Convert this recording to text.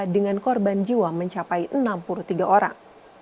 dengan korban jiwa mencapai enam puluh tiga orang